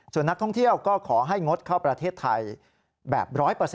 ส่วนนักท่องเที่ยวก็ขอให้งดเข้าประเทศไทยแบบ๑๐๐